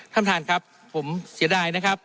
ท่านประธานครับผมเสียดายนะครับ